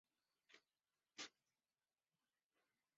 奥卢是葡萄牙波尔图区的一个堂区。